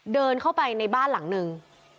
เดินเข้าไปในบ้านหลังนึง